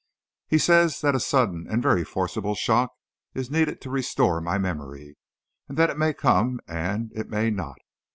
He says that a sudden and very forcible shock is needed to restore my memory, and that it may come and it may not.